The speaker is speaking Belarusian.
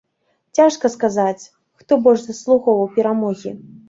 Цяжка сказаць, хто больш заслугоўваў перамогі.